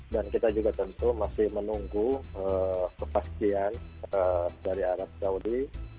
dan kita juga tentu masih menunggu kepastian dari arab saudi